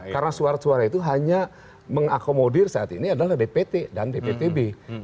karena surat suara itu hanya mengakomodir saat ini adalah dpt dan dptb